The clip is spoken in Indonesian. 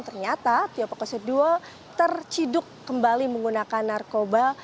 ternyata tio pakusadewa terciduk kembali menggunakan narkoba